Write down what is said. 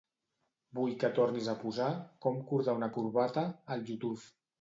Vull que tornis a posar "Com cordar una corbata" al YouTube.